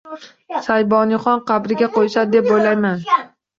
Shayboniyxon qabriga qo‘yishadi, deb o‘ylayman.